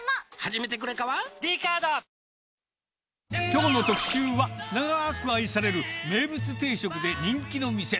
きょうの特集は、長ーく愛される名物定食で人気の店。